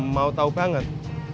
mau tau banget